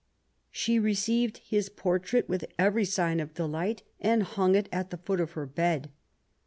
She received his portrait with every sign of delight and hung it at the foot of her bed.